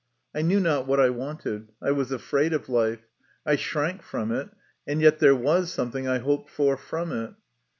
I knew not what I wanted ; I was afraid of life ; I shrank from it, and yet there was something I hoped far from it.